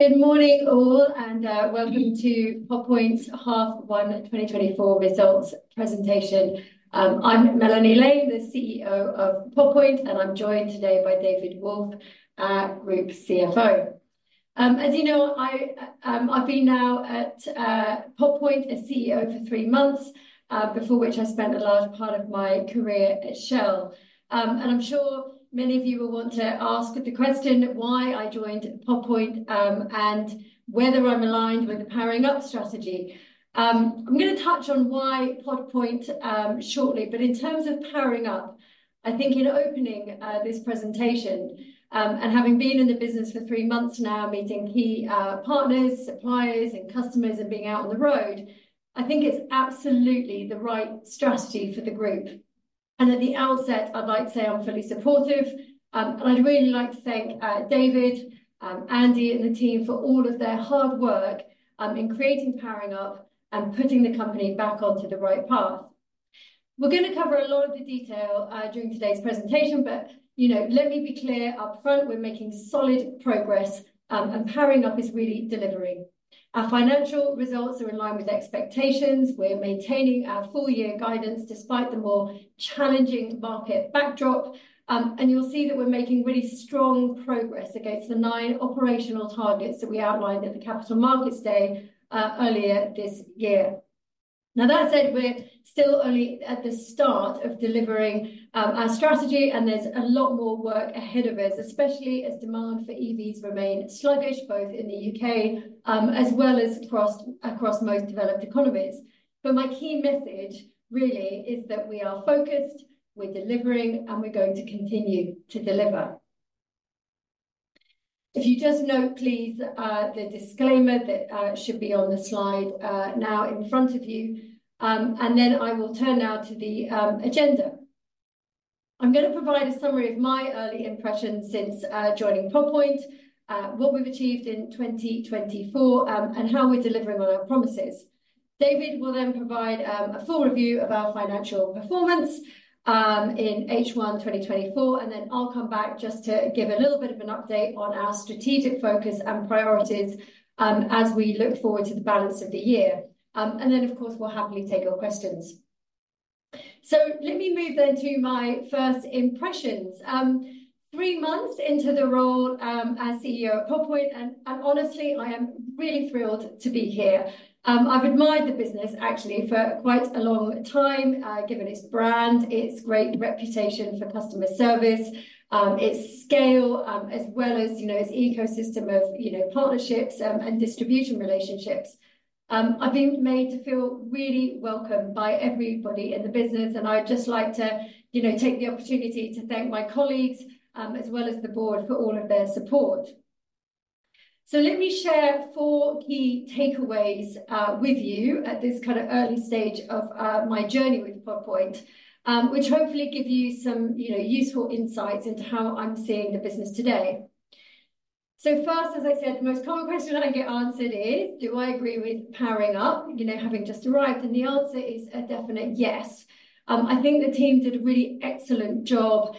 Good morning, all, and welcome to Pod Point's Half 1 2024 Results presentation. I'm Melanie Lane, the CEO of Pod Point, and I'm joined today by David Wolffe, our group CFO. As you know, I've been now at Pod Point as CEO for three months, before which I spent a large part of my career at Shell. And I'm sure many of you will want to ask the question, why I joined Pod Point, and whether I'm aligned with the Powering Up strategy. I'm gonna touch on why Pod Point, shortly, but in terms of Powering Up, I think in opening, this presentation, and having been in the business for three months now, meeting key partners, suppliers, and customers, and being out on the road, I think it's absolutely the right strategy for the group. At the outset, I'd like to say I'm fully supportive. I'd really like to thank David, Andy, and the team for all of their hard work in creating Powering Up and putting the company back onto the right path. We're gonna cover a lot of the detail during today's presentation, but, you know, let me be clear upfront, we're making solid progress, and Powering Up is really delivering. Our financial results are in line with expectations. We're maintaining our full-year guidance, despite the more challenging market backdrop, and you'll see that we're making really strong progress against the nine operational targets that we outlined at the Capital Markets Day earlier this year. Now, that said, we're still only at the start of delivering our strategy, and there's a lot more work ahead of us, especially as demand for EVs remain sluggish, both in the U.K. as well as across most developed economies. But my key message really is that we are focused, we're delivering, and we're going to continue to deliver. If you just note, please, the disclaimer that should be on the slide now in front of you, and then I will turn now to the agenda. I'm gonna provide a summary of my early impressions since joining Pod Point, what we've achieved in 2024, and how we're delivering on our promises. David will then provide a full review of our financial performance in H1 2024, and then I'll come back just to give a little bit of an update on our strategic focus and priorities as we look forward to the balance of the year. And then, of course, we'll happily take your questions. So let me move then to my first impressions. Three months into the role as CEO at Pod Point, and honestly, I am really thrilled to be here. I've admired the business actually for quite a long time, uh, given its brand, its great reputation for customer service, its scale, as well as, you know, its ecosystem of, you know, partnerships and distribution relationships. I've been made to feel really welcome by everybody in the business, and I'd just like to, you know, take the opportunity to thank my colleagues, as well as the board for all of their support. Let me share four key takeaways with you at this kind of early stage of my journey with Pod Point, which hopefully give you some, you know, useful insights into how I'm seeing the business today. First, as I said, the most common question I get answered is: do I agree with Powering Up, you know, having just arrived? The answer is a definite yes. I think the team did a really excellent job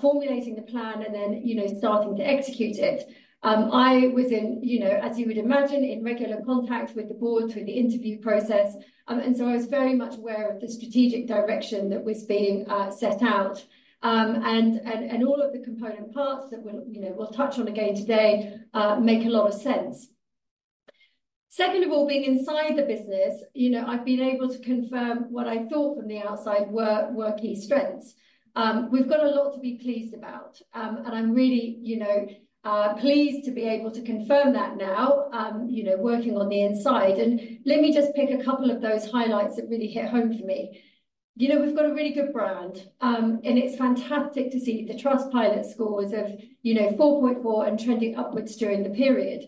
formulating the plan and then, you know, starting to execute it. I was in, you know, as you would imagine, in regular contact with the board through the interview process, and so I was very much aware of the strategic direction that was being set out. And all of the component parts that we'll, you know, touch on again today make a lot of sense. Second of all, being inside the business, you know, I've been able to confirm what I thought from the outside were key strengths. We've got a lot to be pleased about, and I'm really, you know, pleased to be able to confirm that now, you know, working on the inside. Let me just pick a couple of those highlights that really hit home for me. You know, we've got a really good brand, and it's fantastic to see the Trustpilot scores of, you know, 4.4 and trending upwards during the period.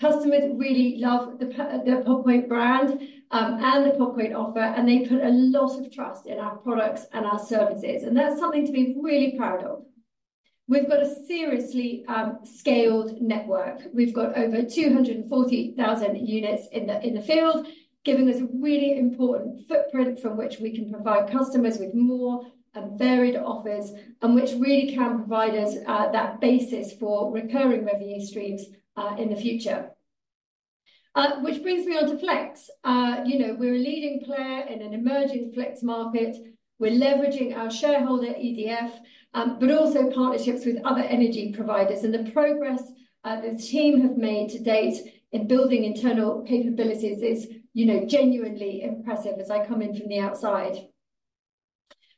Customers really love the the Pod Point brand, and the Pod Point offer, and they put a lot of trust in our products and our services, and that's something to be really proud of. We've got a seriously scaled network. We've got over 240,000 units in the field, giving us a really important footprint from which we can provide customers with more and varied offers, and which really can provide us that basis for recurring revenue streams in the future. Which brings me on to Flex. You know, we're a leading player in an emerging Flex market. We're leveraging our shareholder, EDF, but also partnerships with other energy providers, and the progress the team have made to date in building internal capabilities is, you know, genuinely impressive as I come in from the outside.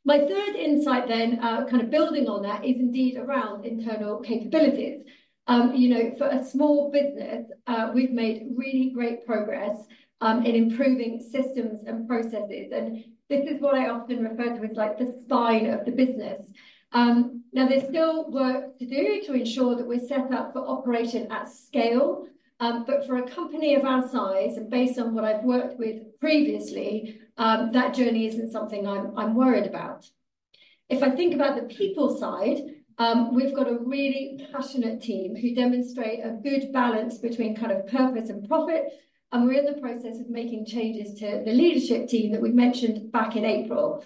My third insight then, kind of building on that, is indeed around internal capabilities. You know, for a small business, we've made really great progress in improving systems and processes, and this is what I often refer to as, like, the spine of the business. Now, there's still work to do to ensure that we're set up for operation at scale, but for a company of our size, and based on what I've worked with previously, that journey isn't something I'm worried about. If I think about the people side, we've got a really passionate team who demonstrate a good balance between kind of purpose and profit, and we're in the process of making changes to the leadership team that we mentioned back in April.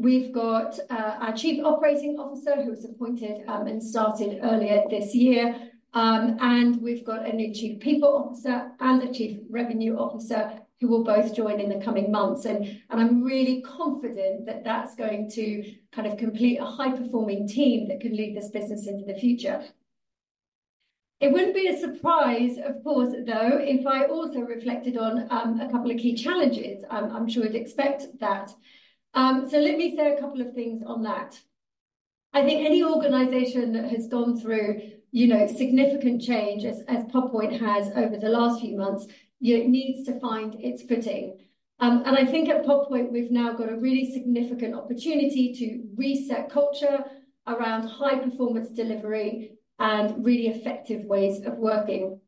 We've got our Chief Operating Officer, who was appointed and started earlier this year. And we've got a new Chief People Officer and a Chief Revenue Officer, who will both join in the coming months, and I'm really confident that that's going to kind of complete a high-performing team that can lead this business into the future. It wouldn't be a surprise, of course, though, if I also reflected on a couple of key challenges. I'm sure you'd expect that. So let me say a couple of things on that. I think any organization that has gone through, you know, significant change, as Pod Point has over the last few months, it needs to find its footing. And I think at Pod Point, we've now got a really significant opportunity to reset culture around high performance delivery and really effective ways of working.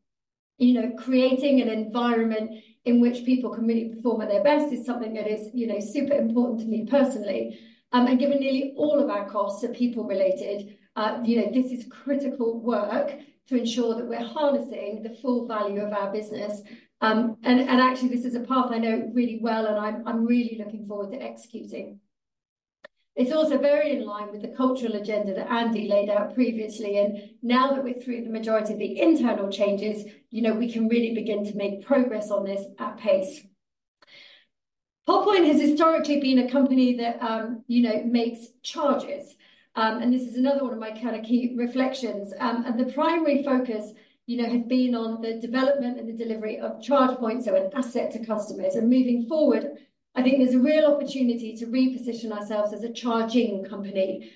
You know, creating an environment in which people can really perform at their best is something that is, you know, super important to me personally. And given nearly all of our costs are people related, you know, this is critical work to ensure that we're harnessing the full value of our business. And actually, this is a path I know really well, and I'm really looking forward to executing. It's also very in line with the cultural agenda that Andy laid out previously, and now that we're through the majority of the internal changes, you know, we can really begin to make progress on this at pace. Pod Point has historically been a company that, you know, makes chargers. And this is another one of my kind of key reflections. And the primary focus, you know, has been on the development and the delivery of charge points, so an asset to customers. And moving forward, I think there's a real opportunity to reposition ourselves as a charging company,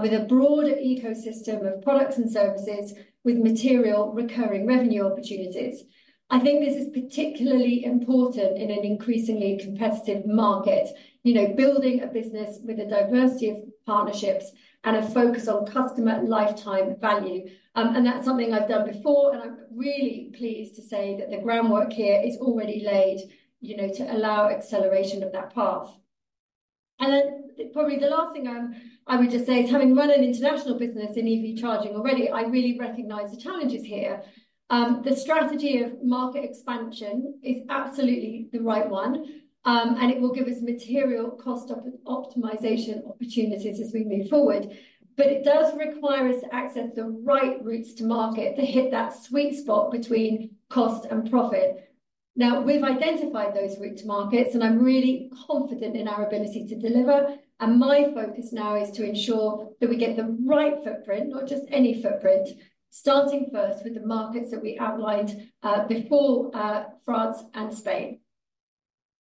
with a broad ecosystem of products and services, with material recurring revenue opportunities. I think this is particularly important in an increasingly competitive market. You know, building a business with a diversity of partnerships and a focus on customer lifetime value. That's something I've done before, and I'm really pleased to say that the groundwork here is already laid, you know, to allow acceleration of that path. And then, probably the last thing, I would just say is, having run an international business in EV charging already, I really recognize the challenges here. The strategy of market expansion is absolutely the right one, and it will give us material cost optimization opportunities as we move forward. But it does require us to access the right routes to market to hit that sweet spot between cost and profit. Now, we've identified those route to markets, and I'm really confident in our ability to deliver, and my focus now is to ensure that we get the right footprint, not just any footprint, starting first with the markets that we outlined, before, France and Spain.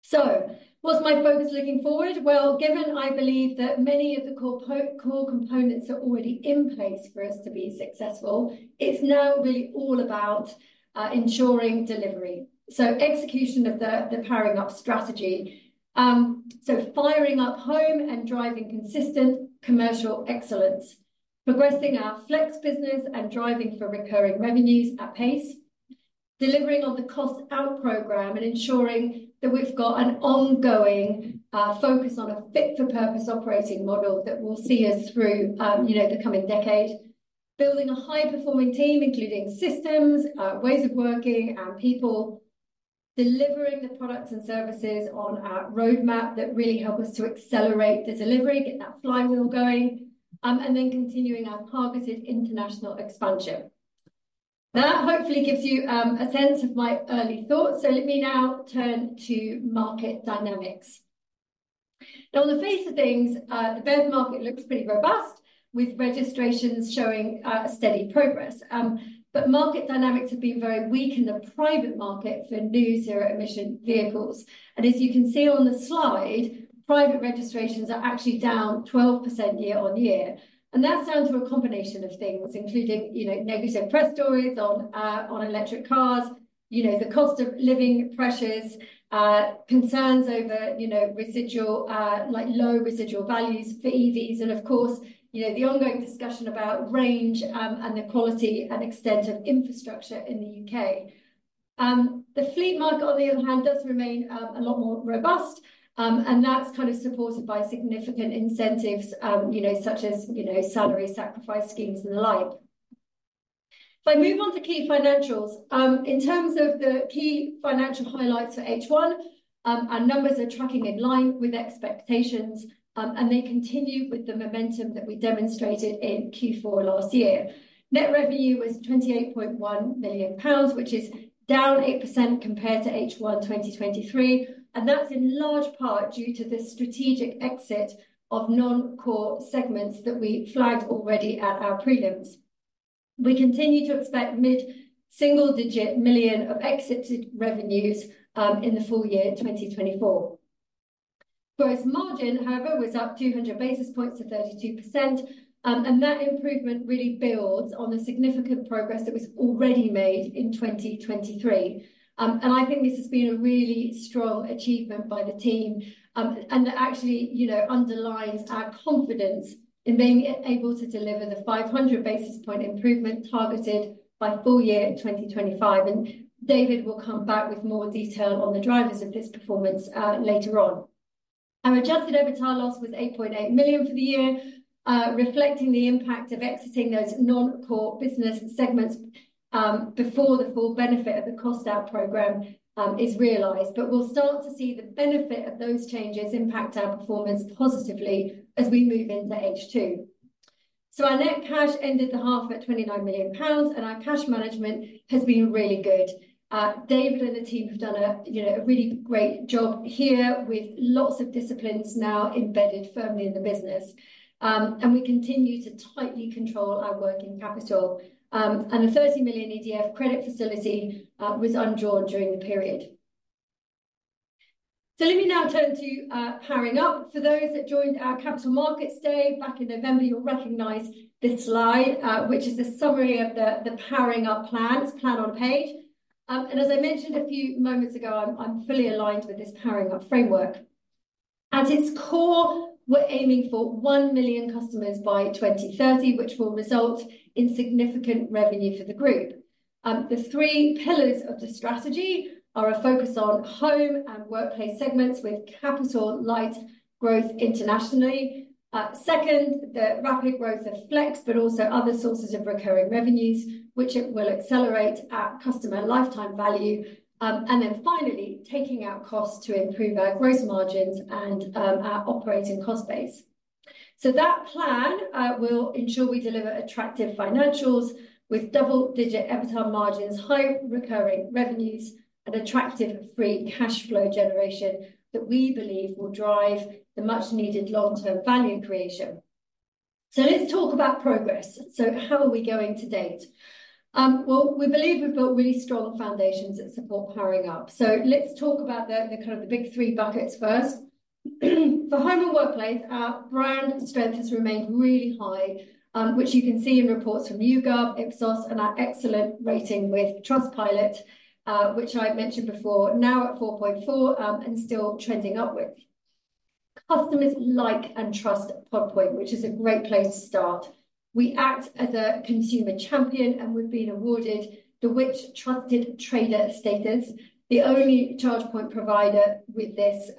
So what's my focus looking forward? Well, given I believe that many of the core components are already in place for us to be successful, it's now really all about ensuring delivery. So execution of the powering up strategy. So firing up home and driving consistent commercial excellence, progressing our flex business and driving for recurring revenues at pace, delivering on the cost-out program, and ensuring that we've got an ongoing focus on a fit-for-purpose operating model that will see us through, you know, the coming decade. Building a high-performing team, including systems, ways of working, our people, delivering the products and services on our roadmap that really help us to accelerate the delivery, get that flywheel going, and then continuing our targeted international expansion. That hopefully gives you a sense of my early thoughts. So let me now turn to market dynamics. On the face of things, the BEV market looks pretty robust, with registrations showing steady progress. But market dynamics have been very weak in the private market for new zero-emission vehicles. And as you can see on the slide, private registrations are actually down 12% year-on-year. And that's down to a combination of things, including, you know, negative press stories on on electric cars, you know, the cost of living pressures, concerns over, you know, residual, like low residual values for EVs, and of course, you know, the ongoing discussion about range, and the quality and extent of infrastructure in the U.K. The fleet market, on the other hand, does remain a lot more robust, and that's kind of supported by significant incentives, you know, such as, you know, salary sacrifice schemes and the like. If I move on to key financials, in terms of the key financial highlights for H1, our numbers are tracking in line with expectations, and they continue with the momentum that we demonstrated in Q4 last year. Net revenue was 28.1 million pounds, which is down 8% compared to H1 2023, and that's in large part due to the strategic exit of non-core segments that we flagged already at our prelims. We continue to expect mid-single-digit million of exited revenues in the full year 2024. Gross margin, however, was up 200 basis points to 32%, and that improvement really builds on the significant progress that was already made in 2023. And I think this has been a really strong achievement by the team, and that actually, you know, underlines our confidence in being able to deliver the 500 basis point improvement targeted by full year 2025, and David will come back with more detail on the drivers of this performance, later on. Our adjusted EBITDA loss was 8.8 million for the year, reflecting the impact of exiting those non-core business segments, before the full benefit of the cost-out program is realized. But we'll start to see the benefit of those changes impact our performance positively as we move into H2. So our net cash ended the half at 29 million pounds, and our cash management has been really good. David and the team have done, you know, a really great job here, with lots of disciplines now embedded firmly in the business. And we continue to tightly control our working capital. And a 30 million EDF credit facility was undrawn during the period. So let me now turn to powering up. For those that joined our Capital Markets Day back in November, you'll recognize this slide, which is a summary of the powering up plans, plan on page. And as I mentioned a few moments ago, I'm fully aligned with this powering up framework. At its core, we're aiming for 1 million customers by 2030, which will result in significant revenue for the group. The three pillars of the strategy are a focus on home and workplace segments with capital light growth internationally. Second, the rapid growth of Flex, but also other sources of recurring revenues, which it will accelerate our customer lifetime value. And then finally, taking out costs to improve our gross margins and our operating cost base. So that plan will ensure we deliver attractive financials with double-digit EBITDA margins, high recurring revenues, and attractive free cash flow generation that we believe will drive the much-needed long-term value creation. So let's talk about progress. So how are we doing to date? Well, we believe we've built really strong foundations that support powering up. So let's talk about the kind of the big three buckets first. For home and workplace, our brand strength has remained really high, which you can see in reports from YouGov, Ipsos, and our excellent rating with Trustpilot, which I've mentioned before, now at 4.4, and still trending upward. Customers like and trust Pod Point, which is a great place to start. We act as a consumer champion, and we've been awarded the Which? Trusted Trader status, the only charge point provider with this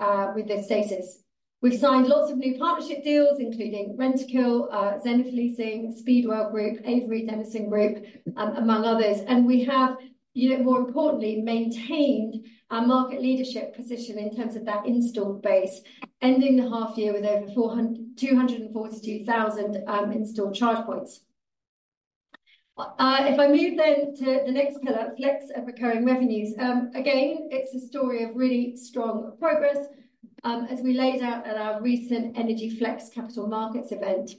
status. We've signed lots of new partnership deals, including Rentokil, Zenith Leasing, Speedwell Group, Avery Dennison Group, among others. And we have, you know, more importantly, maintained our market leadership position in terms of that installed base, ending the half year with over 242,000 installed charge points. If I move then to the next pillar, flex and recurring revenues. Again, it's a story of really strong progress, as we laid out at our recent Energy Flex Capital Markets event.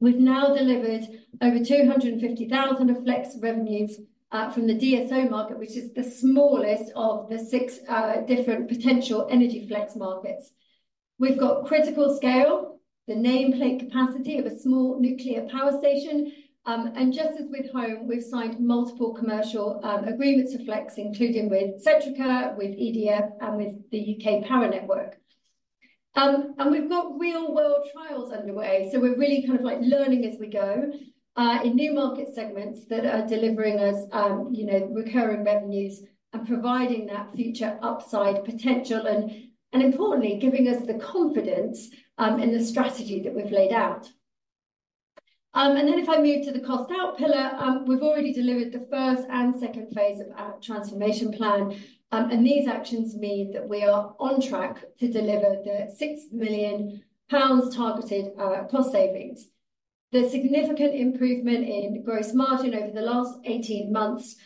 We've now delivered over 250,000 of flex revenues from the DSO market, which is the smallest of the six different potential energy flex markets. We've got critical scale, the nameplate capacity of a small nuclear power station, and just as with home, we've signed multiple commercial agreements for flex, including with Centrica, with EDF, and with the UK Power Networks. We've got real-world trials underway, so we're really kind of, like, learning as we go in new market segments that are delivering us, you know, recurring revenues and providing that future upside potential and, and importantly, giving us the confidence in the strategy that we've laid out. And then if I move to the cost-out pillar, we've already delivered the first and second phase of our transformation plan. And these actions mean that we are on track to deliver the 6 million pounds targeted cost savings. The significant improvement in gross margin over the last 18 months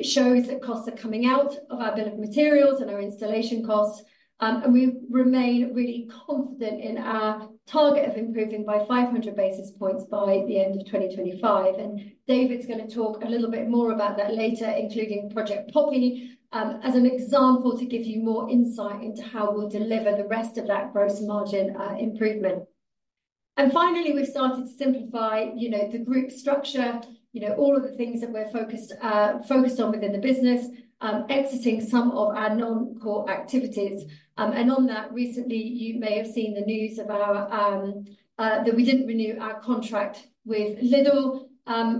shows that costs are coming out of our bill of materials and our installation costs. And we remain really confident in our target of improving by 500 basis points by the end of 2025. And David's gonna talk a little bit more about that later, including Project Poppy, as an example, to give you more insight into how we'll deliver the rest of that gross margin improvement. And finally, we've started to simplify, you know, the group structure, you know, all of the things that we're focused, focused on within the business, exiting some of our non-core activities. And on that, recently, you may have seen the news about that we didn't renew our contract with Lidl,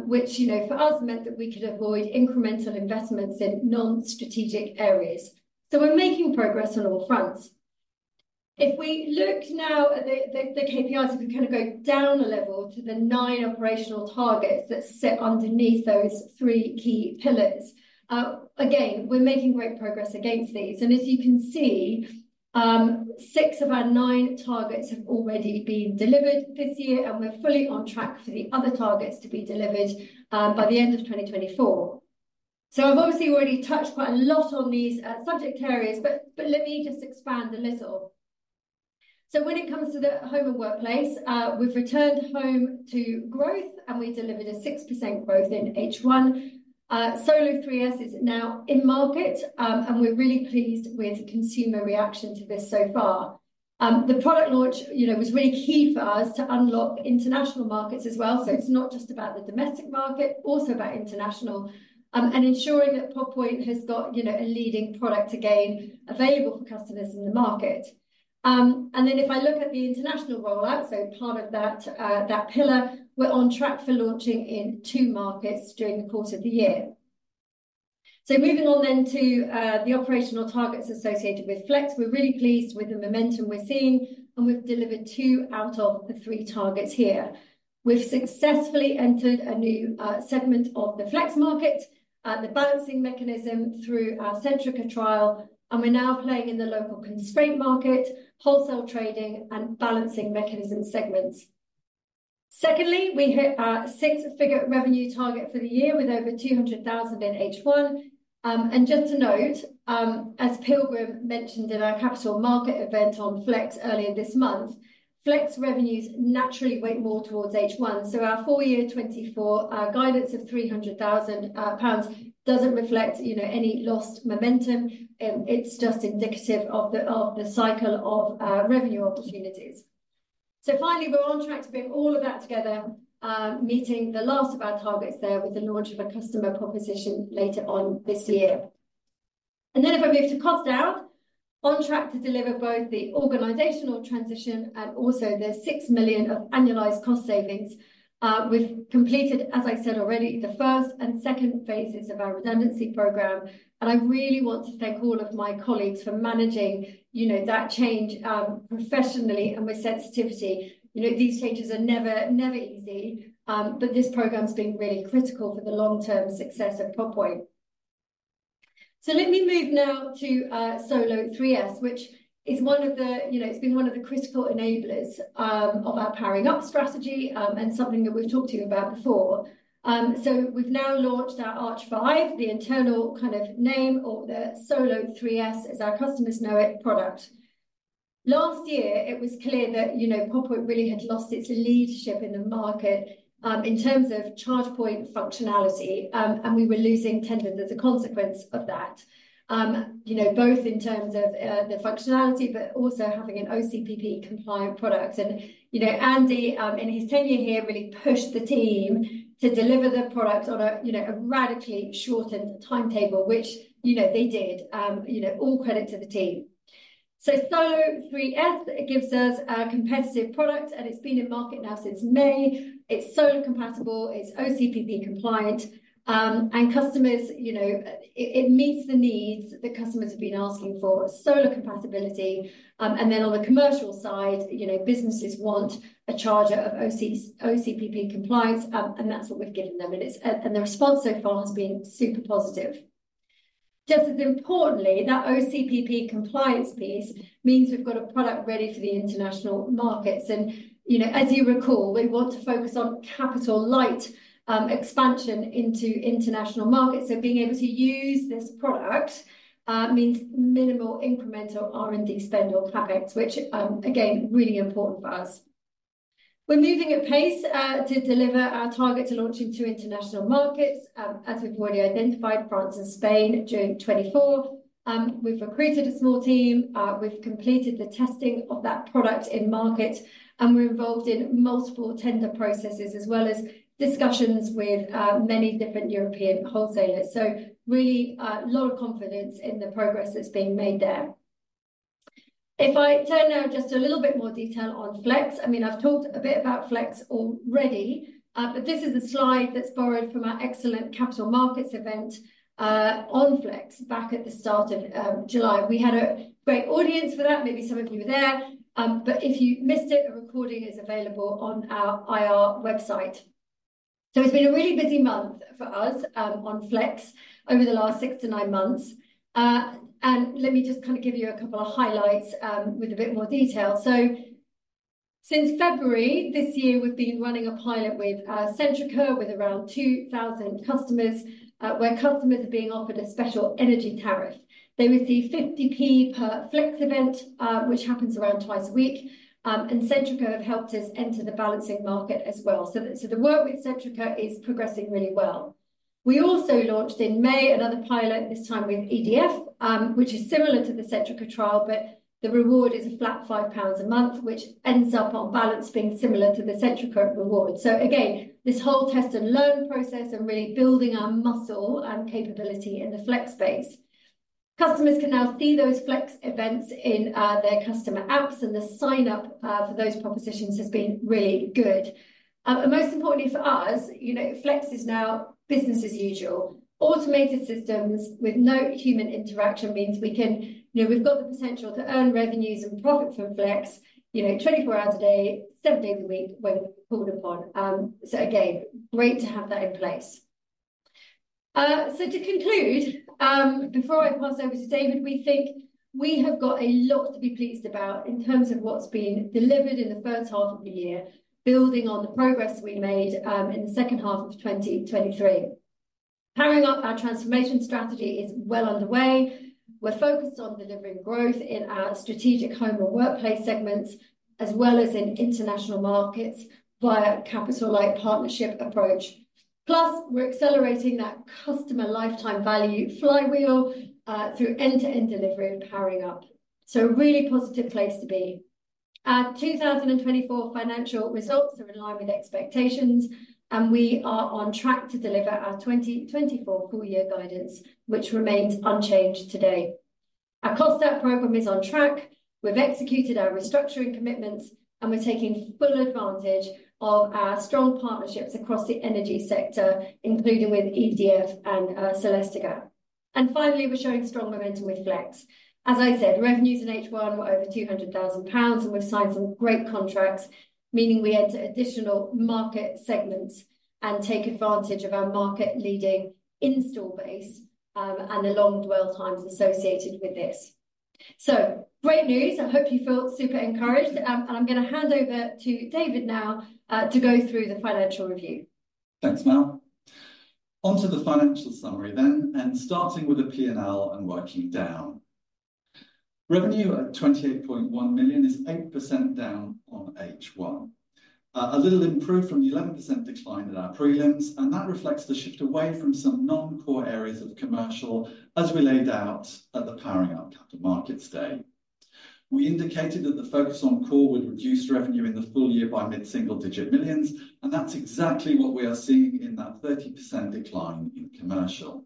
which, you know, for us, meant that we could avoid incremental investments in non-strategic areas. So we're making progress on all fronts. If we look now at the KPIs, if we kind of go down a level to the nine operational targets that sit underneath those three key pillars, again, we're making great progress against these. As you can see, six of our nine targets have already been delivered this year, and we're fully on track for the other targets to be delivered by the end of 2024. I've obviously already touched quite a lot on these subject areas, but let me just expand a little. When it comes to the home and workplace, we've returned home to growth, and we delivered a 6% growth in H1. Solo 3S is now in market, and we're really pleased with the consumer reaction to this so far. The product launch, you know, was really key for us to unlock international markets as well. It's not just about the domestic market, also about international, and ensuring that Pod Point has got, you know, a leading product again available for customers in the market. And then if I look at the international rollout, so part of that, that pillar, we're on track for launching in two markets during the course of the year. So moving on then to the operational targets associated with Flex. We're really pleased with the momentum we're seeing, and we've delivered two out of the three targets here. We've successfully entered a new segment of the Flex market, the Balancing Mechanism through our Centrica trial, and we're now playing in the local constraint market, wholesale trading, and Balancing Mechanism segments. Secondly, we hit our six-figure revenue target for the year with over 200,000 in H1. Just to note, as Pilgrim mentioned in our capital market event on Flex earlier this month, Flex revenues naturally weigh more towards H1, so our full year 2024 guidance of 300,000 pounds doesn't reflect, you know, any lost momentum. It's just indicative of the cycle of revenue opportunities. So finally, we're on track to bring all of that together, meeting the last of our targets there with the launch of a customer proposition later on this year. Then if I move to cost down, on track to deliver both the organizational transition and also the 6 million of annualized cost savings. We've completed, as I said already, the first and second phases of our redundancy program, and I really want to thank all of my colleagues for managing, you know, that change, professionally and with sensitivity. You know, these changes are never, never easy, but this program's been really critical for the long-term success of Pod Point. So let me move now to Solo 3S, which is one of the, you know, it's been one of the critical enablers, of our powering up strategy, and something that we've talked to you about before. So we've now launched our Arch 5, the internal kind of name or the Solo 3S, as our customers know it, product. Last year it was clear that, you know, Pod Point really had lost its leadership in the market in terms of charge point functionality, and we were losing tenders as a consequence of that. You know, both in terms of the functionality, but also having an OCPP-compliant product. You know, Andy in his tenure here really pushed the team to deliver the product on a, you know, a radically shortened timetable, which, you know, they did. You know, all credit to the team. So Solo 3S, it gives us a competitive product, and it's been in market now since May. It's Solo compatible, it's OCPP-compliant, and customers, you know, it, it meets the needs that customers have been asking for, Solo compatibility. And then on the commercial side, you know, businesses want a charger of OCPP compliance, and that's what we've given them, and it's, and the response so far has been super positive. Just as importantly, that OCPP compliance piece means we've got a product ready for the international markets. And, you know, as you recall, we want to focus on capital light expansion into international markets. So being able to use this product means minimal incremental R&D spend or CapEx, which, again, really important for us. We're moving at pace to deliver our target to launch into international markets, as we've already identified, France and Spain, June 2024. We've recruited a small team, we've completed the testing of that product in market, and we're involved in multiple tender processes, as well as discussions with many different European wholesalers. So really, a lot of confidence in the progress that's being made there. If I turn now just a little bit more detail on Flex. I mean, I've talked a bit about Flex already, but this is a slide that's borrowed from our excellent capital markets event on Flex back at the start of July. We had a great audience for that. Maybe some of you were there, but if you missed it, a recording is available on our IR website. So it's been a really busy month for us on Flex over the last six to nine months. And let me just kind of give you a couple of highlights with a bit more detail. So since February this year, we've been running a pilot with, Centrica, with around 2,000 customers, where customers are being offered a special energy tariff. They receive 0.50 per Flex event, which happens around twice a week. And Centrica have helped us enter the balancing market as well. So the work with Centrica is progressing really well. We also launched in May another pilot, this time with EDF, which is similar to the Centrica trial, but the reward is a flat 5 pounds a month, which ends up on balance being similar to the Centrica reward. So again, this whole test-and-learn process and really building our muscle and capability in the Flex space. Customers can now see those Flex events in, their customer apps, and the sign-up for those propositions has been really good. And most importantly for us, you know, Flex is now business as usual. Automated systems with no human interaction means we can... you know, we've got the potential to earn revenues and profit from Flex, you know, 24 hours a day, 7 days a week, when called upon. So again, great to have that in place. So to conclude, before I pass over to David, we think we have got a lot to be pleased about in terms of what's been delivered in the first half of the year, building on the progress we made, in the second half of 2023. Powering up our transformation strategy is well underway. We're focused on delivering growth in our strategic home and workplace segments, as well as in international markets via capital light partnership approach. Plus, we're accelerating that customer lifetime value flywheel through end-to-end delivery and powering up. So a really positive place to be. Our 2024 financial results are in line with expectations, and we are on track to deliver our 2024 full year guidance, which remains unchanged today. Our cost out program is on track, we've executed our restructuring commitments, and we're taking full advantage of our strong partnerships across the energy sector, including with EDF and Celestica. And finally, we're showing strong momentum with Flex. As I said, revenues in H1 were over 200,000 pounds, and we've signed some great contracts, meaning we enter additional market segments and take advantage of our market-leading install base and the long dwell times associated with this. So great news! I hope you feel super encouraged. I'm gonna hand over to David now, to go through the financial review. Thanks, Mel. Onto the financial summary, then, starting with the P&L and working down. Revenue at 28.1 million is 8% down on H1. A little improved from the 11% decline at our prelims, and that reflects the shift away from some non-core areas of commercial, as we laid out at the Powering Up Capital Markets Day. We indicated that the focus on core would reduce revenue in the full year by mid-single digit millions, and that's exactly what we are seeing in that 30% decline in commercial.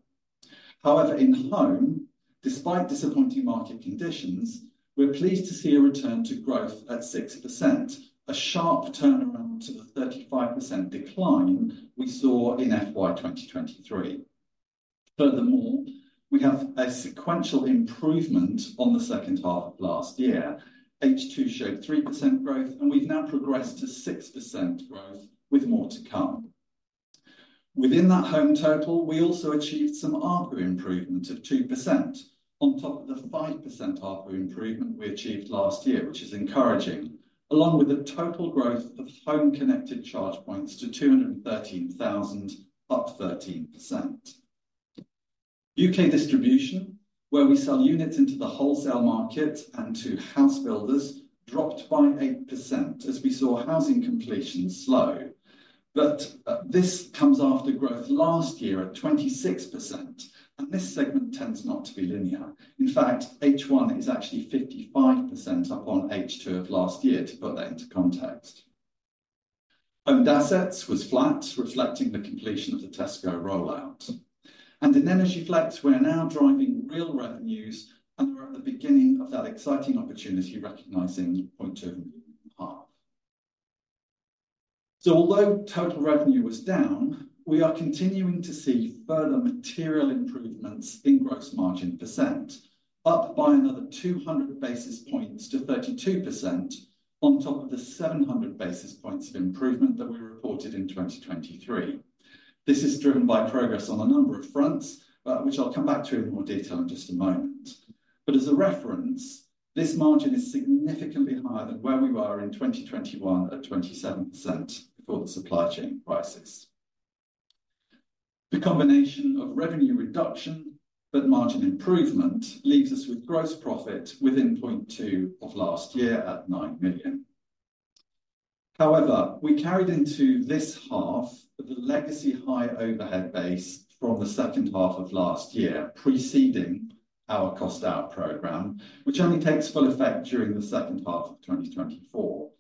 However, in home, despite disappointing market conditions, we're pleased to see a return to growth at 6%, a sharp turnaround to the 35% decline we saw in FY 2023. Furthermore, we have a sequential improvement on the second half of last year. H2 showed 3% growth, and we've now progressed to 6% growth, with more to come. Within that home total, we also achieved some ARPU improvement of 2%, on top of the 5% ARPU improvement we achieved last year, which is encouraging, along with a total growth of home connected charge points to 213,000, up 13%. U.K. distribution, where we sell units into the wholesale market and to house builders, dropped by 8% as we saw housing completion slow. But this comes after growth last year at 26%, and this segment tends not to be linear. In fact, H1 is actually 55% up on H2 of last year, to put that into context. Owned assets was flat, reflecting the completion of the Tesco rollout. And in Energy Flex, we're now driving real revenues, and we're at the beginning of that exciting opportunity, recognizing 0.2 million half. So although total revenue was down, we are continuing to see further material improvements in gross margin %, up by another 200 basis points to 32%, on top of the 700 basis points of improvement that we reported in 2023. This is driven by progress on a number of fronts, which I'll come back to in more detail in just a moment. But as a reference, this margin is significantly higher than where we were in 2021 at 27% before the supply chain crisis. The combination of revenue reduction, but margin improvement, leaves us with gross profit within 0.02 of last year at 9 million. However, we carried into this half the legacy high overhead base from the second half of last year, preceding our cost out program, which only takes full effect during the second half of 2024.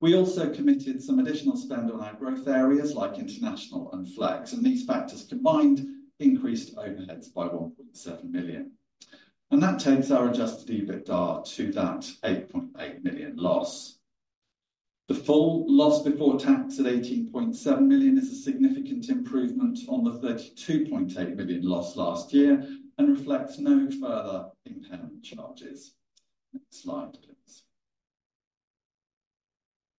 We also committed some additional spend on our growth areas, like international and flex, and these factors combined increased overheads by 1.7 million. And that takes our adjusted EBITDA to that 8.8 million loss. The full loss before tax at 18.7 million is a significant improvement on the 32.8 million loss last year and reflects no further impairment charges. Next slide, please.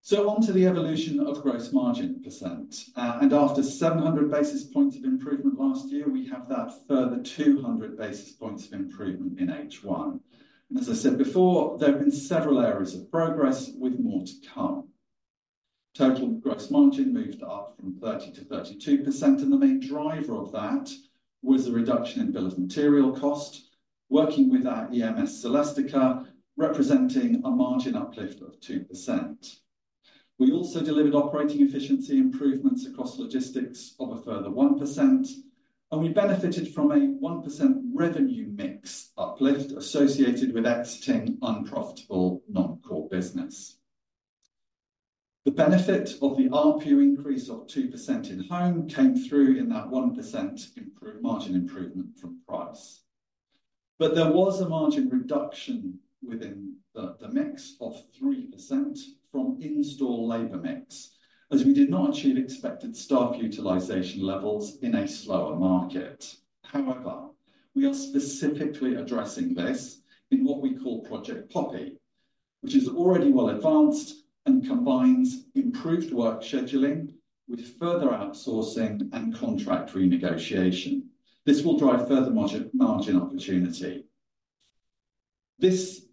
So on to the evolution of gross margin percent. And after 700 basis points of improvement last year, we have that further 200 basis points of improvement in H1. As I said before, there have been several areas of progress with more to come. Total gross margin moved up from 30% to 32%, and the main driver of that was the reduction in bill of material cost, working with our EMS, Celestica, representing a margin uplift of 2%. We also delivered operating efficiency improvements across logistics of a further 1%, and we benefited from a 1% revenue mix uplift associated with exiting unprofitable non-core business. The benefit of the ARPU increase of 2% in home came through in that 1% margin improvement from price. But there was a margin reduction within the mix of 3% from install labor mix, as we did not achieve expected staff utilization levels in a slower market. However, we are specifically addressing this in what we call Project Poppy, which is already well advanced and combines improved work scheduling with further outsourcing and contract renegotiation. This will drive further margin, margin opportunity. This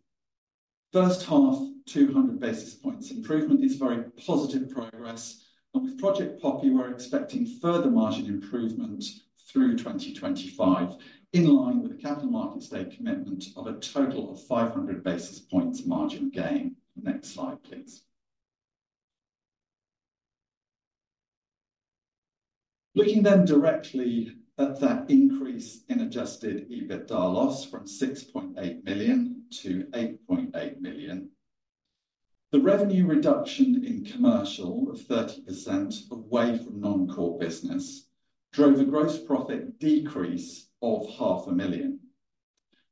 first half, 200 basis points improvement is very positive progress, and with Project Poppy, we're expecting further margin improvement through 2025, in line with the Capital Markets Day commitment of a total of 500 basis points margin gain. Next slide, please. Looking then directly at that increase in adjusted EBITDA loss from 6.8 million to 8.8 million. The revenue reduction in commercial of 30% away from non-core business drove a gross profit decrease of 500,000.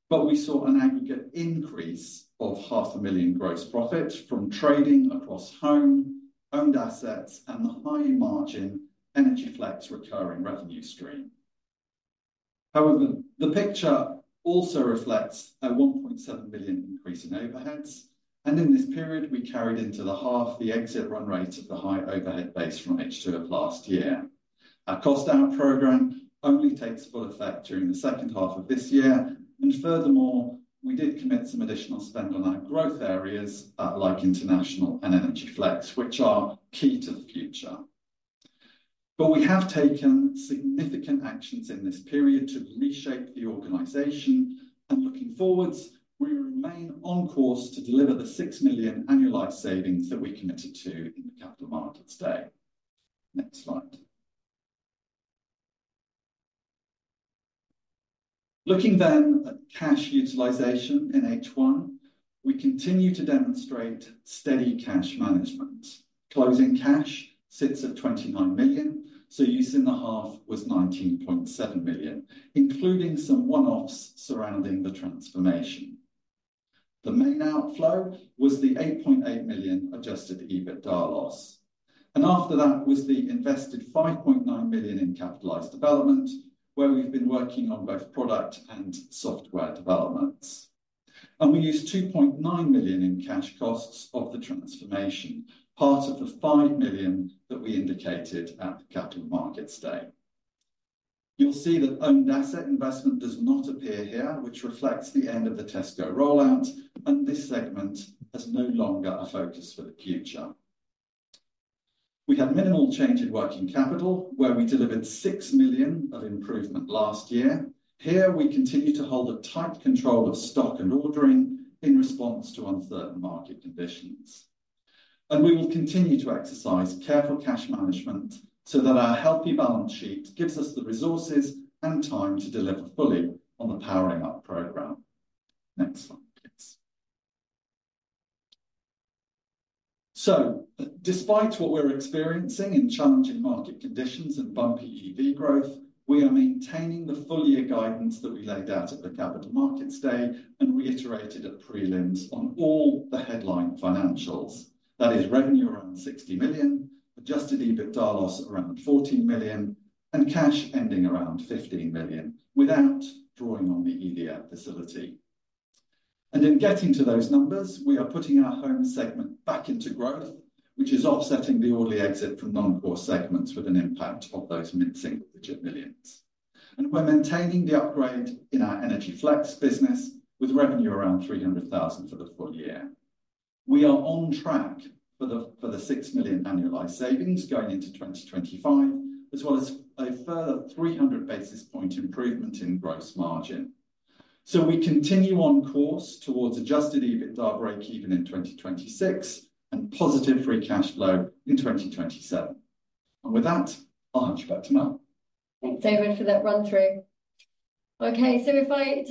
But we saw an aggregate increase of 500,000 gross profit from trading across home, owned assets, and the high-margin Energy Flex recurring revenue stream. However, the picture also reflects a 1.7 million increase in overheads, and in this period, we carried into the half the exit run rate of the high overhead base from H2 of last year. Our cost-out program only takes full effect during the second half of this year, and furthermore, we did commit some additional spend on our growth areas, like international and Energy Flex, which are key to the future. But we have taken significant actions in this period to reshape the organization, and looking forwards, we remain on course to deliver the 6 million annualized savings that we committed to in the Capital Markets Day. Next slide. Looking then at cash utilization in H1, we continue to demonstrate steady cash management. Closing cash sits at 29 million, so use in the half was 19.7 million, including some one-offs surrounding the transformation. The main outflow was the 8.8 million adjusted EBITDA loss, and after that was the invested 5.9 million in capitalized development, where we've been working on both product and software developments. We used 2.9 million in cash costs of the transformation, part of the 5 million that we indicated at the Capital Markets Day. You'll see that owned asset investment does not appear here, which reflects the end of the Tesco rollout, and this segment is no longer a focus for the future. We had minimal change in working capital, where we delivered 6 million of improvement last year. Here, we continue to hold a tight control of stock and ordering in response to uncertain market conditions. We will continue to exercise careful cash management so that our healthy balance sheet gives us the resources and time to deliver fully on the Powering Up program. Next slide, please. Despite what we're experiencing in challenging market conditions and bumpy EV growth, we are maintaining the full year guidance that we laid out at the Capital Markets Day and reiterated at prelims on all the headline financials. That is revenue around 60 million, adjusted EBITDA loss around 14 million, and cash ending around 15 million, without drawing on the EDF facility. In getting to those numbers, we are putting our home segment back into growth, which is offsetting the orderly exit from non-core segments with an impact of those mid-single-digit millions. We're maintaining the upgrade in our Energy Flex business, with revenue around 300,000 for the full year. We are on track for the 6 million annualized savings going into 2025, as well as a further 300 basis point improvement in gross margin. So we continue on course towards adjusted EBITDA breakeven in 2026, and positive free cash flow in 2027. And with that, I'll hand you back to Mel. Thanks, David, for that run-through. Okay, so if I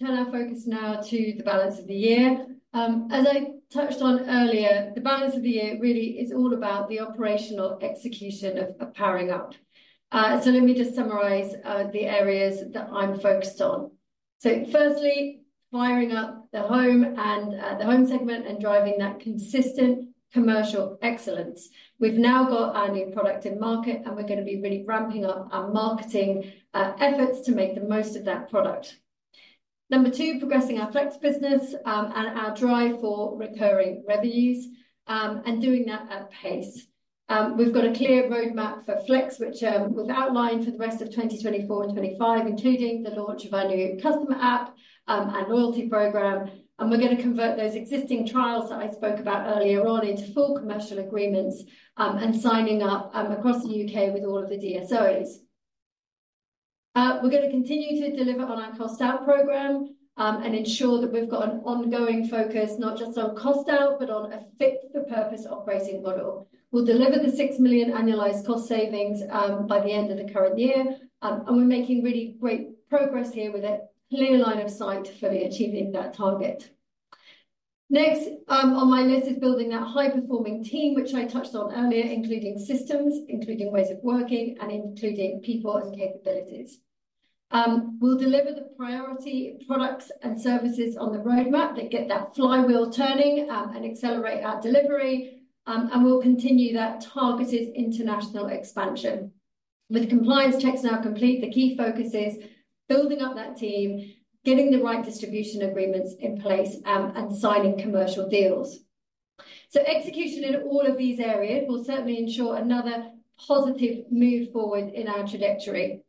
turn our focus now to the balance of the year. As I touched on earlier, the balance of the year really is all about the operational execution of Powering Up. So let me just summarize the areas that I'm focused on. So firstly, firing up the home segment and driving that consistent commercial excellence. We've now got our new product in market, and we're gonna be really ramping up our marketing efforts to make the most of that product. Number two, progressing our Flex business and our drive for recurring revenues and doing that at pace. We've got a clear roadmap for Flex, which we've outlined for the rest of 2024 and 2025, including the launch of our new customer app and loyalty program, and we're gonna convert those existing trials that I spoke about earlier on into full commercial agreements and signing up across the U.K. with all of the DSOs. We're gonna continue to deliver on our cost-out program and ensure that we've got an ongoing focus, not just on cost-out, but on a fit-for-purpose operating model. We'll deliver the 6 million annualized cost savings by the end of the current year and we're making really great progress here with a clear line of sight for achieving that target. Next, on my list is building that high-performing team, which I touched on earlier, including systems, including ways of working, and including people and capabilities. We'll deliver the priority products and services on the roadmap that get that flywheel turning, and accelerate our delivery, and we'll continue that targeted international expansion. With compliance checks now complete, the key focus is building up that team, getting the right distribution agreements in place, and signing commercial deals. So execution in all of these areas will certainly ensure another positive move forward in our trajectory.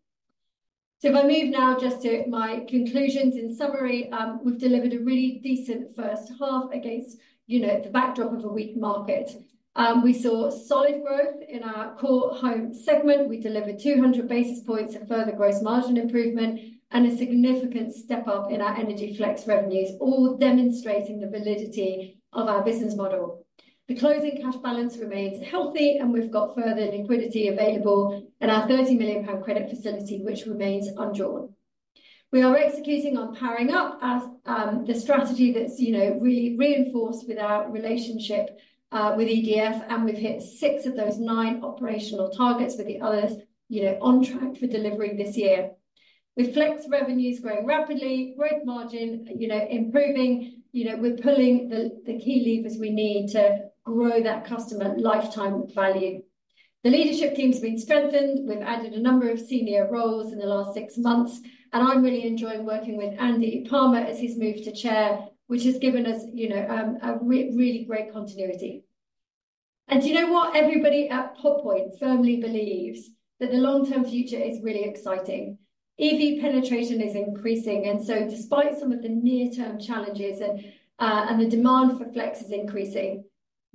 So if I move now just to my conclusions, in summary, we've delivered a really decent first half against, you know, the backdrop of a weak market. We saw solid growth in our core home segment. We delivered 200 basis points of further gross margin improvement and a significant step up in our Energy Flex revenues, all demonstrating the validity of our business model. The closing cash balance remains healthy, and we've got further liquidity available in our 30 million pound credit facility, which remains undrawn.... We are executing on powering up as, the strategy that's, you know, really reinforced with our relationship, with EDF, and we've hit 6 of those 9 operational targets, with the others, you know, on track for delivery this year. With Flex revenues growing rapidly, growth margin, you know, improving, you know, we're pulling the key levers we need to grow that customer lifetime value. The leadership team's been strengthened. We've added a number of senior roles in the last six months, and I'm really enjoying working with Andy Palmer as he's moved to Chair, which has given us, you know, a really great continuity. And do you know what? Everybody at Pod Point firmly believes that the long-term future is really exciting. EV penetration is increasing, and so despite some of the near-term challenges and the demand for Flex is increasing,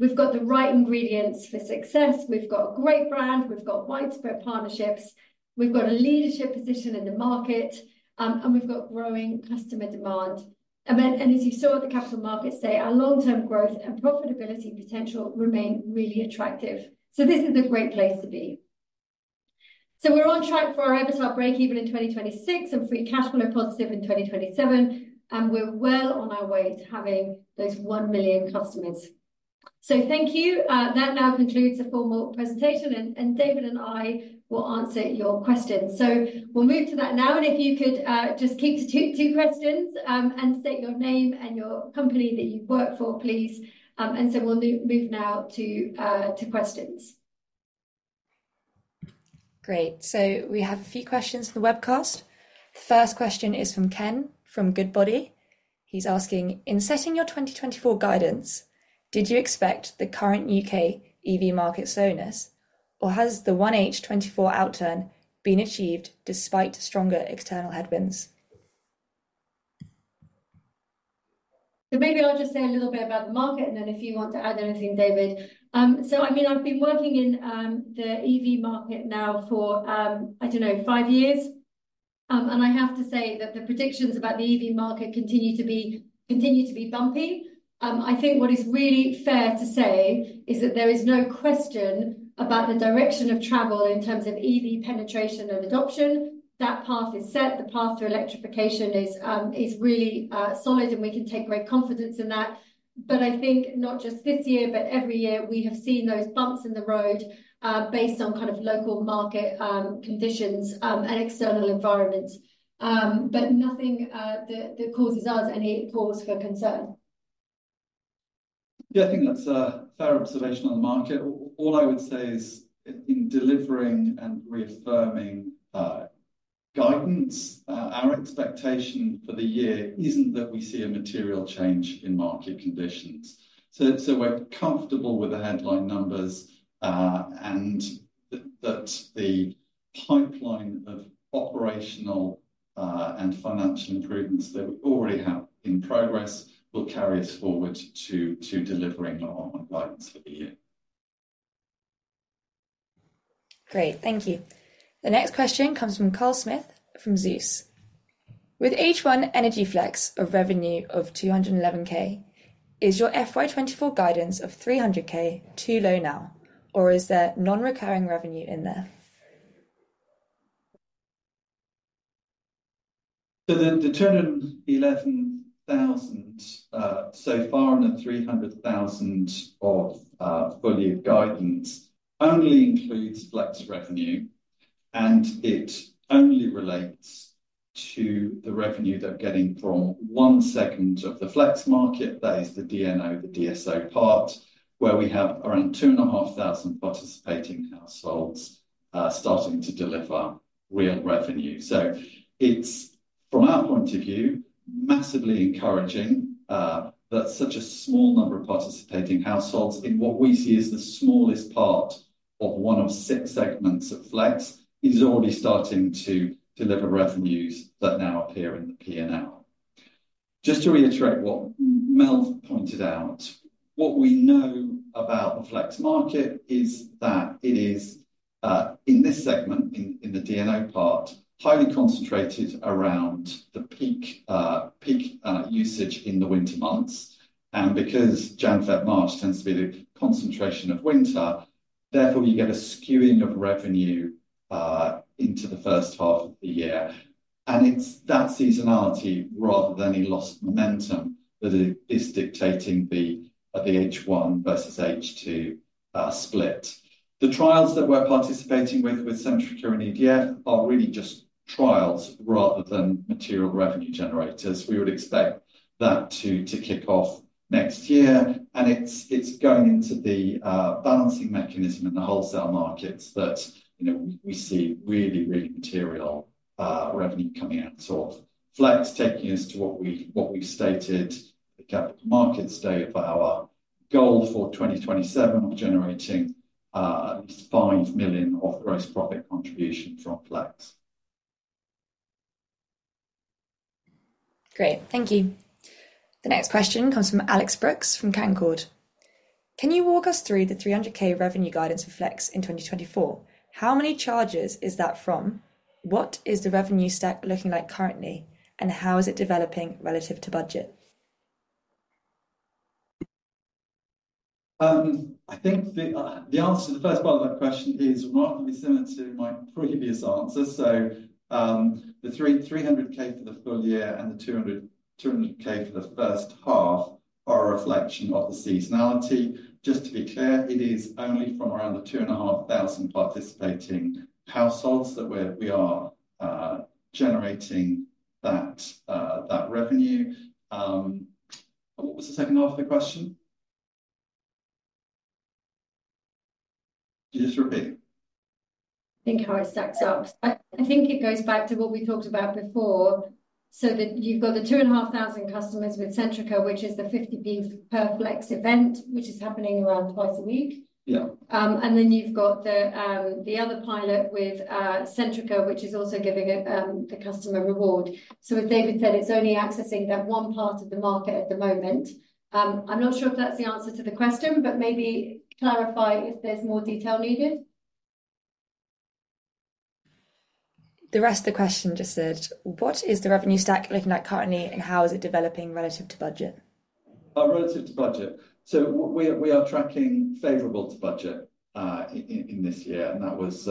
we've got the right ingredients for success. We've got a great brand, we've got widespread partnerships, we've got a leadership position in the market, and we've got growing customer demand. And then, as you saw at the Capital Markets Day, our long-term growth and profitability potential remain really attractive. So this is a great place to be. So we're on track for our EBITDA breakeven in 2026 and free cash flow positive in 2027, and we're well on our way to having those 1 million customers. So thank you. That now concludes the formal presentation, and David and I will answer your questions. So we'll move to that now, and if you could just keep to two questions, and state your name and your company that you work for, please. And so we'll move now to questions. Great, so we have a few questions from the webcast. The first question is from Ken, from Goodbody. He's asking: In setting your 2024 guidance, did you expect the current U.K. EV market slowness, or has the 1H 2024 outturn been achieved despite stronger external headwinds? So maybe I'll just say a little bit about the market, and then if you want to add anything, David. So I mean, I've been working in the EV market now for, I don't know, five years. And I have to say that the predictions about the EV market continue to be, continue to be bumpy. I think what is really fair to say is that there is no question about the direction of travel in terms of EV penetration and adoption. That path is set. The path to electrification is, is really solid, and we can take great confidence in that. But I think not just this year, but every year, we have seen those bumps in the road, based on kind of local market conditions, and external environment. But nothing that causes us any cause for concern. Yeah, I think that's a fair observation on the market. All I would say is in delivering and reaffirming guidance, our expectation for the year isn't that we see a material change in market conditions. So, we're comfortable with the headline numbers, and that the pipeline of operational and financial improvements that we already have in progress will carry us forward to delivering on our guidance for the year. Great, thank you. The next question comes from Carl Smith, from Zeus. With H1 Energy Flex, a revenue of 211,000, is your FY 2024 guidance of 300,000 too low now, or is there non-recurring revenue in there? So the 211,000 so far, and the 300,000 of full year guidance only includes flex revenue, and it only relates to the revenue they're getting from one segment of the flex market. That is the DNO, the DSO part, where we have around 2,500 participating households starting to deliver real revenue. So it's, from our point of view, massively encouraging that such a small number of participating households in what we see as the smallest part of one of six segments of flex, is already starting to deliver revenues that now appear in the PNL. Just to reiterate what Mel pointed out, what we know about the flex market is that it is, in this segment, in the DNO part, highly concentrated around the peak, peak usage in the winter months. And because January, February, March tends to be the concentration of winter, therefore, you get a skewing of revenue into the first half of the year. And it's that seasonality, rather than any loss of momentum, that is dictating the H1 versus H2 split. The trials that we're participating with, with Centrica and EDF, are really just trials rather than material revenue generators. We would expect that to kick off next year, and it's going into the Balancing Mechanism in the wholesale markets that, you know, we see really, really material revenue coming out of flex, taking us to what we've stated, the Capital Markets Day for our goal for 2027, of generating at least 5 million of gross profit contribution from flex. Great, thank you. The next question comes from Alex Brooks from Canaccord. Can you walk us through the 300,000 revenue guidance for Flex in 2024? How many charges is that from? What is the revenue stack looking like currently, and how is it developing relative to budget?... I think the answer to the first part of that question is remarkably similar to my previous answer. So, the 300,000 for the full year and the 200,000 for the first half are a reflection of the seasonality. Just to be clear, it is only from around the 2,500 participating households that we are generating that revenue. What was the second half of the question? Could you just repeat? I think how it stacks up. I, I think it goes back to what we talked about before, so that you've got the 2,500 customers with Centrica, which is the 0.5 per Flex event, which is happening around twice a week. Yeah. And then you've got the other pilot with Centrica, which is also giving the customer reward. So as David said, it's only accessing that one part of the market at the moment. I'm not sure if that's the answer to the question, but maybe clarify if there's more detail needed. The rest of the question just said, "What is the revenue stack looking like currently, and how is it developing relative to budget? Relative to budget, so we are tracking favorable to budget in this year, and that was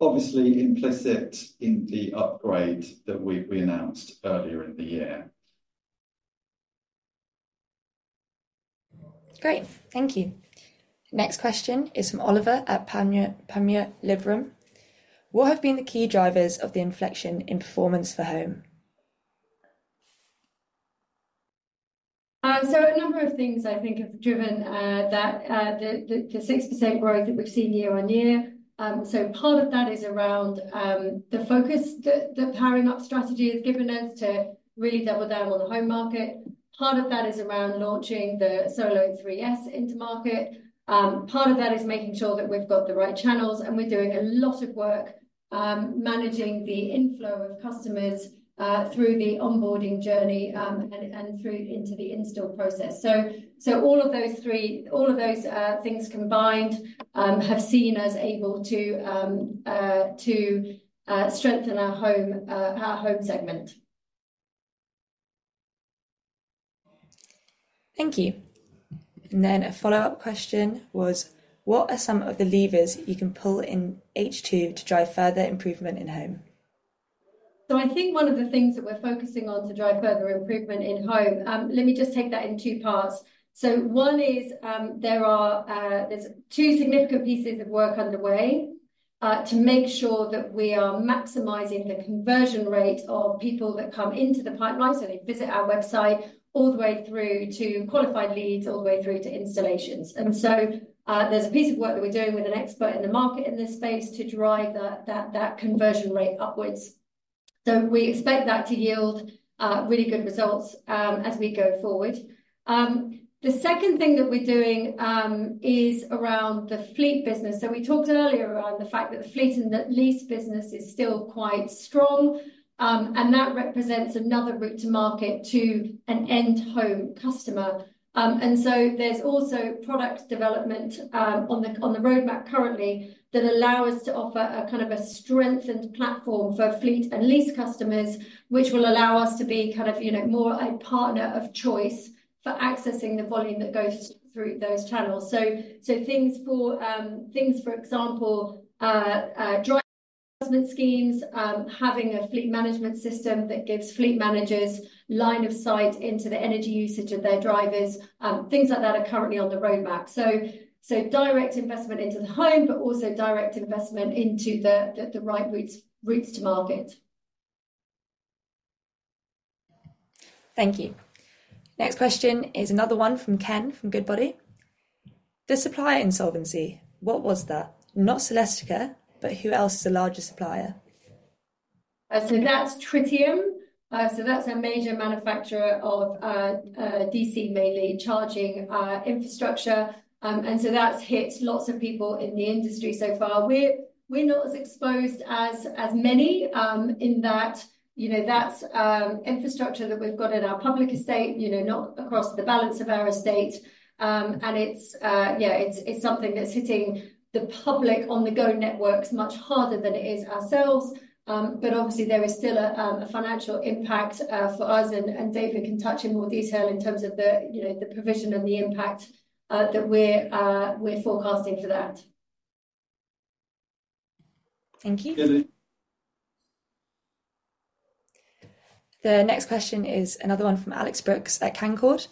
obviously implicit in the upgrade that we announced earlier in the year. Great, thank you. Next question is from Oliver at Panmure, Panmure Liberum. What have been the key drivers of the inflection in performance for home? So a number of things I think have driven that 6% growth that we've seen year-on-year. So part of that is around the focus that the powering up strategy has given us to really double down on the home market. Part of that is around launching the Solo 3S into market. Part of that is making sure that we've got the right channels, and we're doing a lot of work managing the inflow of customers through the onboarding journey and through into the install process. So all of those three things combined have seen us able to strengthen our home segment. Thank you. Then a follow-up question was: What are some of the levers you can pull in H2 to drive further improvement in home? So I think one of the things that we're focusing on to drive further improvement in home, let me just take that in two parts. So one is, there's two significant pieces of work underway, to make sure that we are maximizing the conversion rate of people that come into the pipeline. So they visit our website all the way through to qualified leads, all the way through to installations. And so, there's a piece of work that we're doing with an expert in the market, in this space to drive that conversion rate upwards. So we expect that to yield really good results, as we go forward. The second thing that we're doing is around the fleet business. So we talked earlier around the fact that the fleet and the lease business is still quite strong, and that represents another route to market to an end home customer. And so there's also product development on the roadmap currently that allow us to offer a kind of a strengthened platform for fleet and lease customers, which will allow us to be kind of, you know, more a partner of choice for accessing the volume that goes through those channels. So things, for example, drive schemes, having a fleet management system that gives fleet managers line of sight into the energy usage of their drivers, things like that are currently on the roadmap. So direct investment into the home, but also direct investment into the right routes to market. Thank you. Next question is another one from Ken, from Goodbody. The supplier insolvency, what was that? Not Celestica, but who else is a larger supplier? So that's Tritium. So that's a major manufacturer of DC, mainly charging infrastructure. And so that's hit lots of people in the industry so far. We're, we're not as exposed as, as many, in that, you know, that's infrastructure that we've got in our public estate, you know, not across the balance of our estate. And it's, it's something that's hitting the public on-the-go networks much harder than it is ourselves. But obviously, there is still a financial impact for us, and, and David can touch in more detail in terms of the, you know, the provision and the impact that we're, we're forecasting for that. Thank you. Yeah. The next question is another one from Alex Brooks at Canaccord.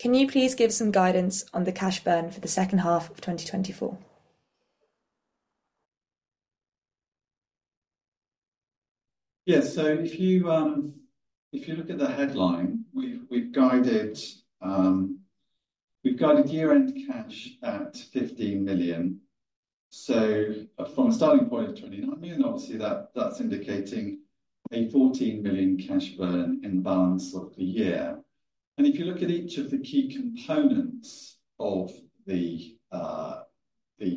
Can you please give some guidance on the cash burn for the second half of 2024? Yes. So if you look at the headline, we've guided year-end cash at 15 million. So from a starting point of 29 million, obviously, that's indicating a 14 million cash burn in the balance of the year. And if you look at each of the key components of the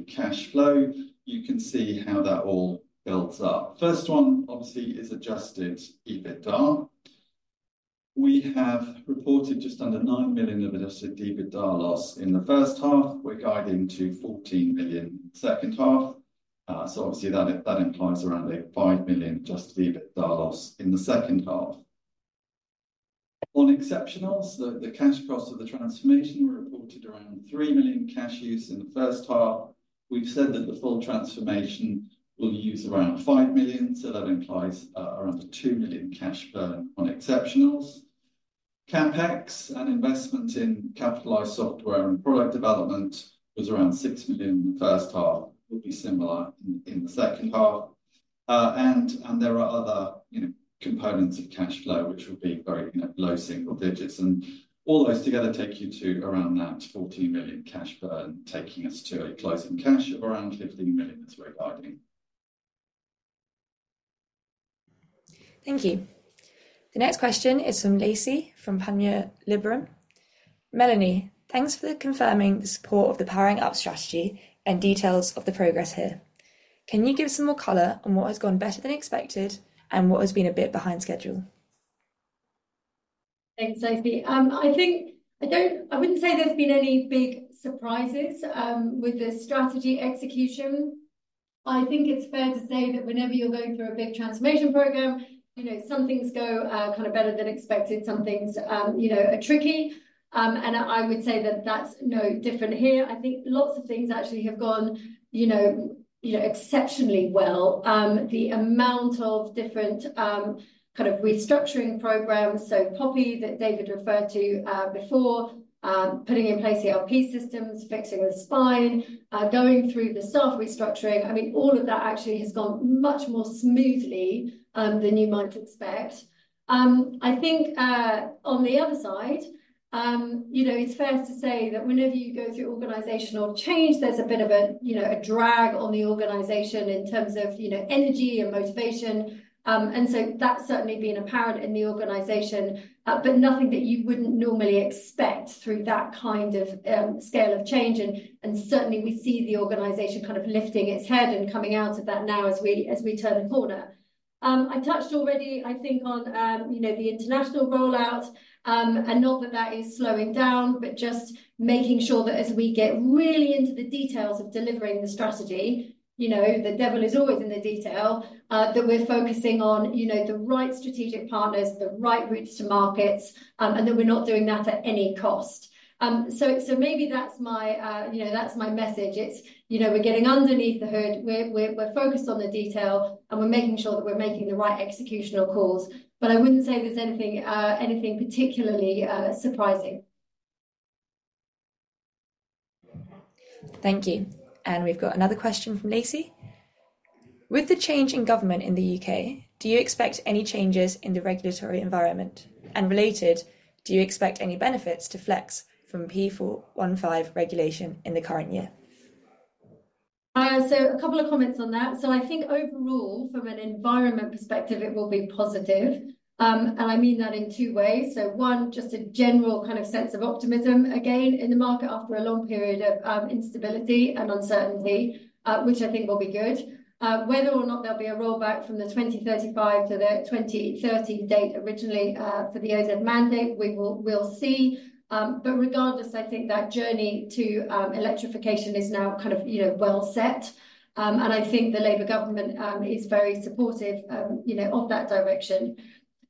cash flow, you can see how that all builds up. First one, obviously, is adjusted EBITDA. We have reported just under 9 million of adjusted EBITDA loss in the first half. We're guiding to 14 million second half. So obviously, that implies around a 5 million adjusted EBITDA loss in the second half. On exceptionals, the cash costs of the transformation were reported around 3 million cash use in the first half. We've said that the full transformation will use around 5 million, so that implies around 2 million cash burn on exceptionals. CapEx and investment in capitalized software and product development was around 6 million in the first half, will be similar in the second half. And there are other, you know, components of cash flow, which will be very, you know, low single-digits. And all those together take you to around that 14 million cash burn, taking us to a closing cash of around 15 million as we're guiding. Thank you. The next question is from Lacey from Panmure Liberum. "Melanie, thanks for confirming the support of the Powering Up strategy and details of the progress here. Can you give some more color on what has gone better than expected and what has been a bit behind schedule? Thanks, Lacey. I think-- I don't-- I wouldn't say there's been any big surprises, with the strategy execution. I think it's fair to say that whenever you're going through a big transformation program, you know, some things go, kind of better than expected, some things, you know, are tricky. And I would say that that's no different here. I think lots of things actually have gone, you know, you know, exceptionally well. The amount of different, kind of restructuring programs, so Poppy, that David referred to, before, putting in place ERP systems, fixing the spine, going through the staff restructuring, I mean, all of that actually has gone much more smoothly, than you might expect. I think, on the other side, you know, it's fair to say that whenever you go through organizational change, there's a bit of a, you know, a drag on the organization in terms of, you know, energy and motivation. And so that's certainly been apparent in the organization, but nothing that you wouldn't normally expect through that kind of, scale of change. And certainly, we see the organization kind of lifting its head and coming out of that now as we, as we turn the corner. I touched already, I think, on, you know, the international rollout. And not that that is slowing down, but just making sure that as we get really into the details of delivering the strategy, you know, the devil is always in the detail, that we're focusing on, you know, the right strategic partners, the right routes to markets, and that we're not doing that at any cost. So, so maybe that's my, you know, that's my message. It's, you know, we're getting underneath the hood, we're focused on the detail, and we're making sure that we're making the right executional calls, but I wouldn't say there's anything, anything particularly, surprising. Thank you. We've got another question from Lacey: "With the change in government in the U.K., do you expect any changes in the regulatory environment? And related, do you expect any benefits to Flex from P415 regulation in the current year? A couple of comments on that. I think overall, from an environment perspective, it will be positive. And I mean that in two ways. One, just a general kind of sense of optimism again in the market after a long period of instability and uncertainty, which I think will be good. Whether or not there'll be a rollback from the 2035 to the 2030 date originally for the ZEV mandate, we'll see. But regardless, I think that journey to electrification is now kind of, you know, well set. And I think the Labour government is very supportive, you know, of that direction.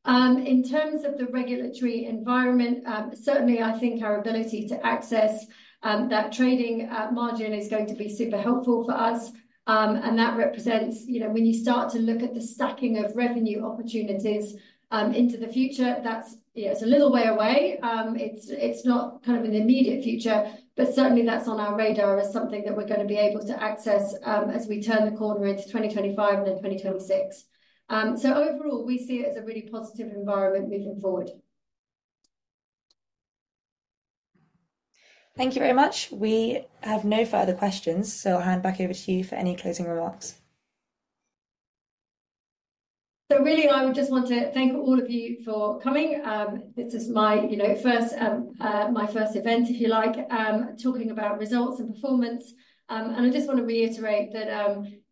In terms of the regulatory environment, certainly, I think our ability to access that trading margin is going to be super helpful for us. And that represents, you know, when you start to look at the stacking of revenue opportunities into the future, that's, you know, it's a little way away. It's not kind of in the immediate future, but certainly that's on our radar as something that we're gonna be able to access, as we turn the corner into 2025 and then 2026. So overall, we see it as a really positive environment moving forward. Thank you very much. We have no further questions, so I'll hand back over to you for any closing remarks. So really, I would just want to thank all of you for coming. This is my, you know, first, my first event, if you like, talking about results and performance. And I just want to reiterate that,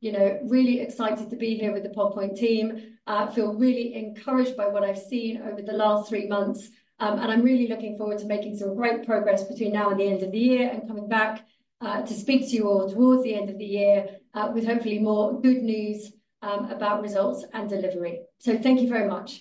you know, really excited to be here with the Pod Point team. I feel really encouraged by what I've seen over the last three months, and I'm really looking forward to making some great progress between now and the end of the year, and coming back, to speak to you all towards the end of the year, with hopefully more good news, about results and delivery. So thank you very much.